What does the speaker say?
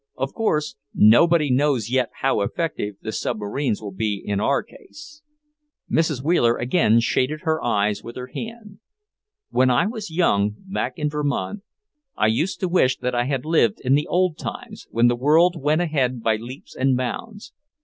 Of course, nobody knows yet how effective the submarines will be in our case." Mrs. Wheeler again shaded her eyes with her hand. "When I was young, back in Vermont, I used to wish that I had lived in the old times when the world went ahead by leaps and bounds.